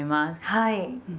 はい。